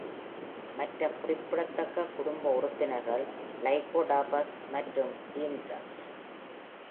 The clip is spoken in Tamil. மற்ற குறிப்பிடத்தக்க குடும்ப உறுப்பினர்கள் "லைகோடாபஸ்" மற்றும் "ஜிம்னலஸ்".